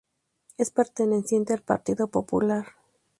Es perteneciente al Partido Popular.